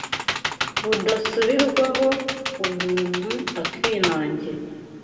budasubirwaho, umuntu akinangira